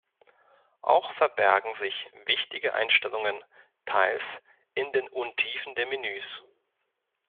Auch verbergen sich wichtige Einstellungen teils in den Untiefen der Menüs.